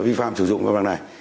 vi phạm sử dụng văn bằng này